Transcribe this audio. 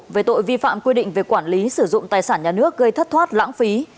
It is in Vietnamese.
về tội vi phạm quy định về quản lý sử dụng tài sản nhà nước gây thất thoát lãng phí